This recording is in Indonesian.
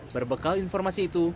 berbekal informasi itu